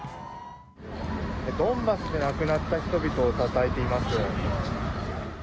ドンバスで亡くなった人々をたたえています。